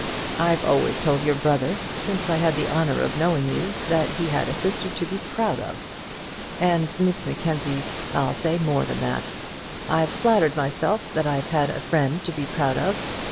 I've always told your brother, since I had the honour of knowing you, that he had a sister to be proud of. And, Miss Mackenzie, I'll say more than that; I've flattered myself that I've had a friend to be proud of.